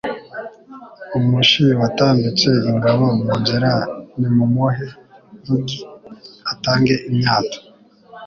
Umushi watambitse ingabo mu nzira Nimumuhe rugari atange imyato,